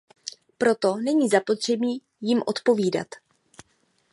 Proto není zapotřebí jim odpovídat.